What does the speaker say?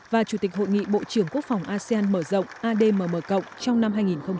và chủ tịch hội nghị bộ trưởng quốc phòng asean mở rộng admm cộng trong năm hai nghìn hai mươi